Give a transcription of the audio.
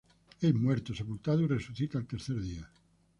Es muerto, sepultado y resucita al tercer día.